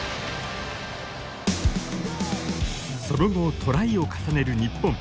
その後トライを重ねる日本。